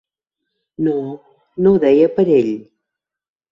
No, no ho deia per ell.